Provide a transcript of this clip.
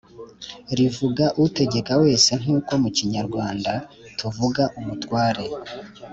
rivuga utegeka wese nkuko mu kinyarwanda tuvuga umutware.